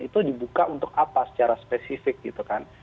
itu dibuka untuk apa secara spesifik gitu kan